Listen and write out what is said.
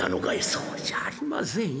「そうじゃありませんよ。